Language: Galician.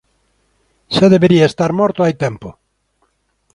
Xa debería estar morto hai tempo.